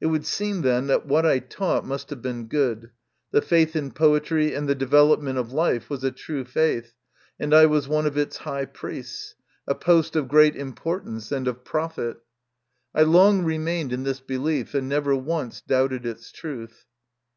It would seem, then, that what I taught must have been good ; the faith in poetry and the development of life was a true faith, and I was one of its high priests a post of great importance and of profit. MY CONFESSION. 13 I long remained in this belief, and never once doubted its truth.